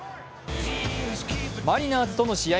マリナーズとの試合